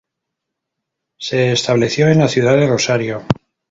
Se estableció en la ciudad de Rosario.